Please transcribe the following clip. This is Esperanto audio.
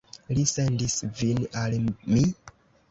Li sendis vin al mi?